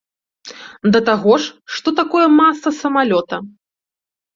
Да таго ж, што такое маса самалёта?